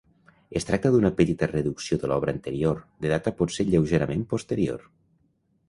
Es tracta d'una petita reducció de l'obra anterior, de data potser lleugerament posterior.